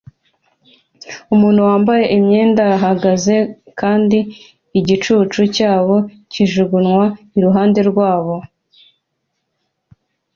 Umuntu wambaye imyenda arahagaze kandi igicucu cyabo kijugunywa iruhande rwabo